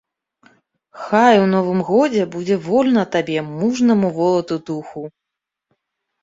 Хай у новым годзе будзе вольна табе, мужнаму волату духу!